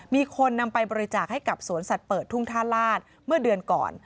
มีคนนำไปบริจาคให้กับสวนสัตว์เปิดทุ่งท่าลาศเมื่อเดือนก่อน